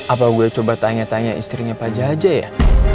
apa gue coba tanya tanya istrinya pak jaja ya